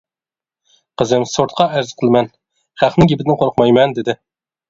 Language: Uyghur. قىزىم سوتقا ئەرز قىلىمەن، خەقنىڭ گېپىدىن قورقمايمەن دېدى.